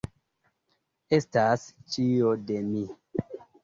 Estas ĉio de mi!